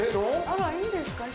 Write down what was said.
あらいいんですか？